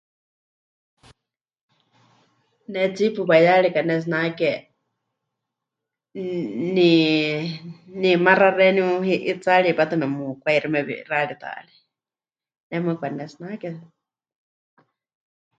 Ne tsiipu waiyari pɨkanetsinake ni, ni maxa xeeníu 'itsaari hipátɨ memukwaixime wixáritaari, ne mɨɨkɨ pɨkanetsinake.